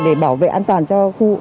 để bảo vệ an toàn cho khu